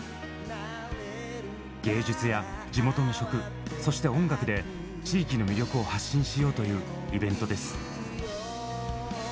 芸術や地元の食そして音楽で地域の魅力を発信しようというイベントです。